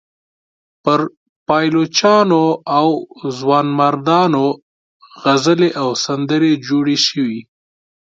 پر پایلوچانو او ځوانمردانو غزلې او سندرې جوړې شوې.